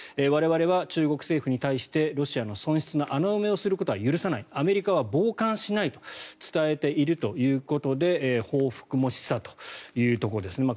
我々は中国政府に対してロシアの損失の穴埋めをすることは許さないアメリカは傍観しないと伝えているということで報復も示唆というところです。